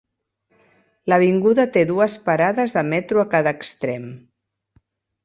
L'avinguda té dues parades de metro a cada extrem: